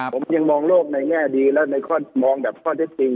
ผมยังมองโลกในแง่ดีและในข้อมองแบบข้อเท็จจริง